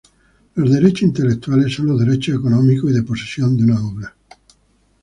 Los derechos intelectuales son los derechos económicos y de posesión de una obra.